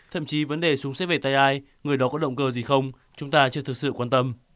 thậm chí vấn đề xuống xếp về tay ai người đó có động cơ gì không chúng ta chưa thực sự quan tâm